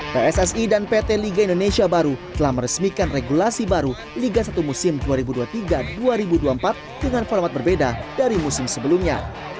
pssi dan pt liga indonesia baru telah meresmikan regulasi baru liga satu musim dua ribu dua puluh tiga dua ribu dua puluh empat dengan format berbeda dari musim sebelumnya